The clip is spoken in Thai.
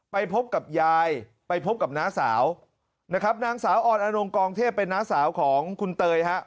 ไปพบกับยายไปพบกับน้าสาวนะครับนางสาวออนอนงกองเทพเป็นน้าสาวของคุณเตยฮะ